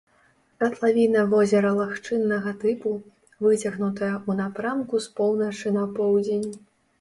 Катлавіна возера лагчыннага тыпу, выцягнутая ў напрамку з поўначы на поўдзень.